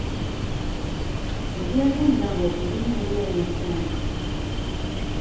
Erdialdean dago, Urumea ibaiaren ertzean.